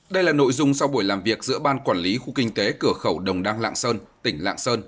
đây là nội dung sau buổi làm việc giữa ban quản lý khu kinh tế cửa khẩu đồng đăng lạng sơn tỉnh lạng sơn